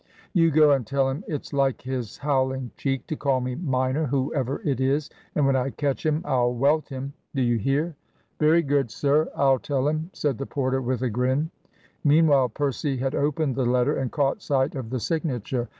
"You go and tell him it's like his howling cheek to call me minor, whoever it is; and when I catch him I'll welt him. Do you hear?" "Very good, sir, I'll tell him," said the porter with a grin. Meanwhile Percy had opened the letter and caught sight of the signature.